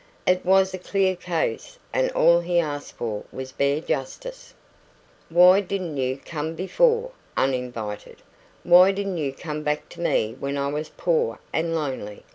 It was a clear case, and all he asked for was bare justice. "Why didn't you come before uninvited? Why didn't you come back to me when I was poor and lonely?